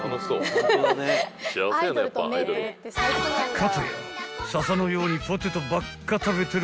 ［片やササのようにポテトばっか食べてる］